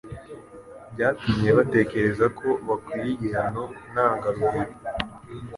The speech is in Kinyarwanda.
byatumye batekereza ko bakwiye igihano ntangarugero.